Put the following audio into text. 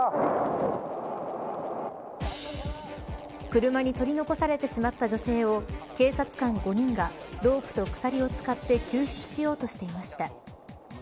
車に取り残されてしまった女性を警察官５人がロープと鎖を使って救出しようとしていました。